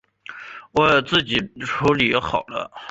我自己处理好了